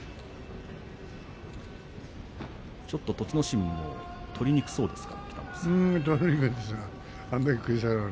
ちょっと栃ノ心も取りにくそうでしたね。